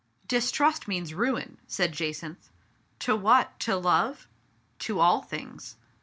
" Distrust means ruin," said Jacynth. "To what? To love?" " To all things."